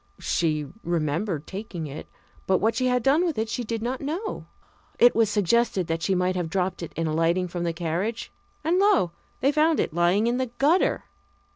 She remembered taking it, but what she had done with it she did not know. It was suggested that she might have dropped it in alighting from the carriage. And lo! they found it lying in the gutter.